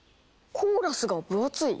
コーラスが分厚い？